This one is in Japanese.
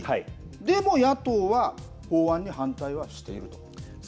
でも野党は法案に反対はしていると。